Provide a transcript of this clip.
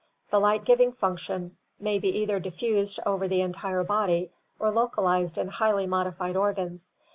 The light giving function may be either diffused over the entire body or localized in highly modified organs.